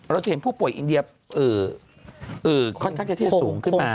เราจะเห็นผู้ป่วยอินเดียค่อนข้างที่จะสูงขึ้นมา